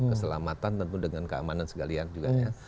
keselamatan tentu dengan keamanan sekalian juga ya